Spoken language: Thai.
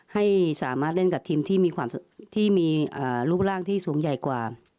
ให้สามารถเล่นกับทีมที่มีรูปร่างที่สูงใหญ่กว่า